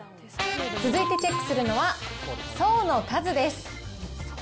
続いてチェックするのは、層の数です。